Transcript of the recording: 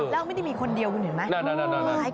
แล้วไม่ได้มีคนเดียวคุณเห็นไหม